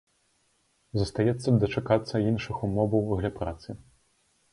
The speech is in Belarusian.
Застаецца дачакацца іншых умоваў для працы.